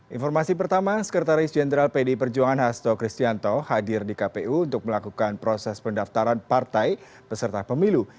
informasi pertama sekretaris jenderal pdi perjuangan hasto kristianto hadir di kpu untuk melakukan proses pendaftaran partai peserta pemilu